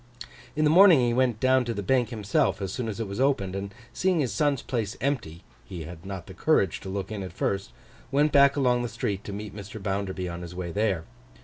In the morning, he went down to the Bank himself as soon as it was opened, and seeing his son's place empty (he had not the courage to look in at first) went back along the street to meet Mr. Bounderby on his way there.